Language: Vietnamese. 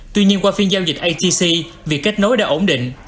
tuy nhiên qua phiên giao dịch atc việc kết nối đã ổn định